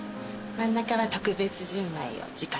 真ん中は特別純米を直汲みで。